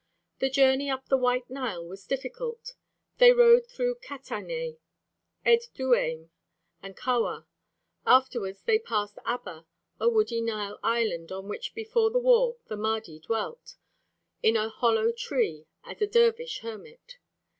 The journey up the White Nile was difficult. They rode through Keteineh, Ed Dueim, and Kawa; afterwards they passed Abba, a woody Nile island, on which before the war the Mahdi dwelt, in a hollow tree as a dervish hermit.